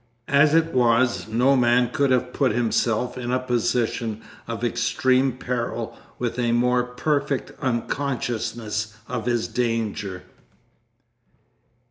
As it was, no man could have put himself in a position of extreme peril with a more perfect unconsciousness of his danger.